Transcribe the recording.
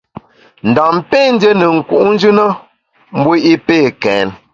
Ndam pé ndié ne nku’njù na mbu i pé kèn.